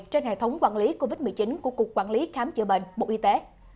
trên hệ thống quản lý covid một mươi chín của cục quản lý khám chữa bệnh bộ y tế